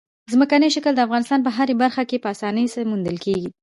ځمکنی شکل د افغانستان په هره برخه کې په اسانۍ موندل کېږي.